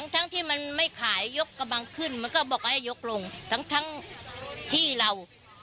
ทั้งที่มันไม่ขายยกกระบังขึ้นมันก็บอกให้ยกลงทั้งที่เรา